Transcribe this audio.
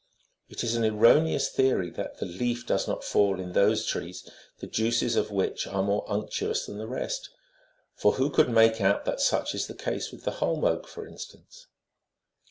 47 It is an erroneous theory that the leaf does not fall in those trees the juices of which are more unctuous than the rest ; for who could make out that such is the case with the holm oak, for instance